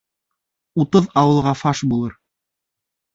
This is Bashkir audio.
Утыҙ ауылға фаш булыр.